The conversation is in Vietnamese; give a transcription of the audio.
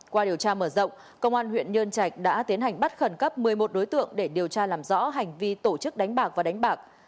qua điều tra mở rộng công an huyện nhơn trạch đã tiến hành bắt khẩn cấp một mươi một đối tượng để điều tra làm rõ hành vi tổ chức đánh bạc và đánh bạc